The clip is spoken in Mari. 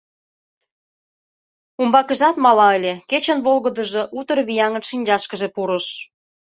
Умбакыжат мала ыле — кечын волгыдыжо, утыр вияҥын, шинчашкыже пурыш.